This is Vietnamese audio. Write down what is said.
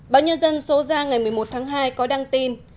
báo nhân dân số ra ngày một mươi một tháng hai có đăng tin